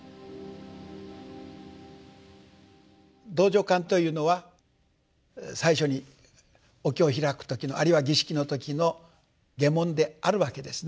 道場観というのは最初にお経を開く時のあるいは儀式の時の偈文であるわけですね。